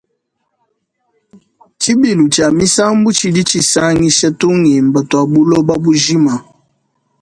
Tshibilu tshia misambu tshidi tshisangisha tungimba tua buloba bujima.